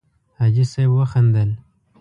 حاجي صیب وخندل.